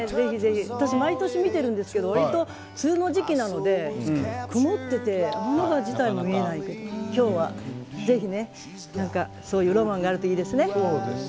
私は毎年、見ているんですけれど梅雨の時期なので曇っていて天の川自体も見えないから今日はぜひね、そういうロマンがあるといいですね。